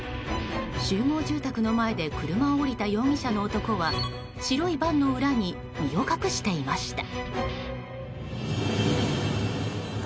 集合住宅の前で車を降りた容疑者の男は白いバンの裏に身を隠していました。